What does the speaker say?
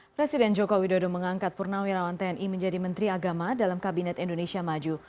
presiden jokowi dodo mengangkat purnawi lawan tni menjadi menteri agama dalam kabinet indonesia maju